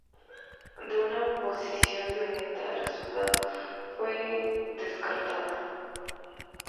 La idea de una oposición violenta al resultado fue descartada.